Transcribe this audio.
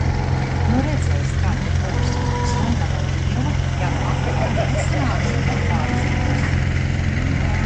Nu redzēs kā tur būs, summa nav liela, ja nu akurāt nesanāks, tad pārdzīvosim.